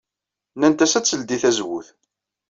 Nnant-as ad teldey tazewwut.